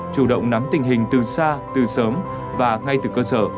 chủ động nắm tình hình từ xa từ sớm và ngay từ cơ sở